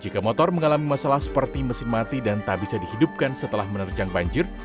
jika motor mengalami masalah seperti mesin mati dan tak bisa dihidupkan setelah menerjang banjir